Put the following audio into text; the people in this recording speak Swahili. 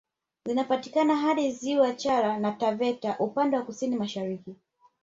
Zinapatikana hadi ziwa Chala na Taveta upande wa kusini mashariki